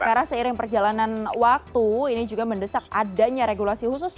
karena seiring perjalanan waktu ini juga mendesak adanya regulasi khusus